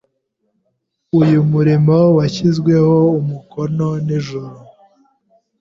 Uyu murimo washyizweho umukono n’ijuru